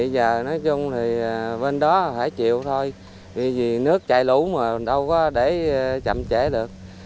vì bên đó phải chịu thôi vì nước chạy lũ mà đâu có để chậm trễ được